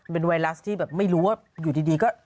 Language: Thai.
เป็นไวรัสที่แบบไม่รู้ว่าอยู่ดีก็